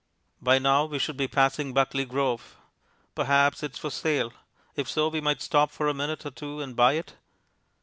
By now we should be passing Buckley Grove. Perhaps it is for sale. If so, we might stop for a minute or two and buy it.